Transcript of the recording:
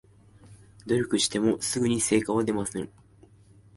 努力してもすぐに成果は出ません